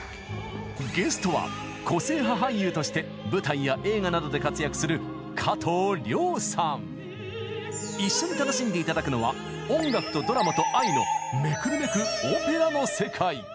ゲストは個性派俳優として舞台や映画などで活躍する一緒に楽しんで頂くのは音楽とドラマと愛のめくるめくオペラの世界！